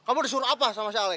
kamu disuruh apa sama si alek